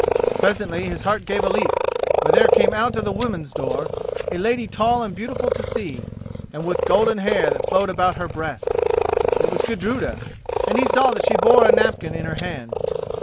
Presently his heart gave a leap, for there came out from the woman's door a lady tall and beautiful to see, and with golden hair that flowed about her breast. It was Gudruda, and he saw that she bore a napkin in her hand.